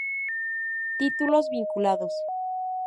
Títulos vinculados